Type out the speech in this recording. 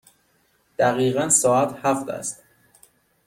دقیقاً ساعت هفت است.